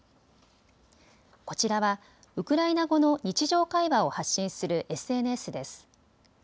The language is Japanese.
こちらはウクライナ語の日常会話を発信するＳＮＳです。